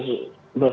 kalau misalkan dilihat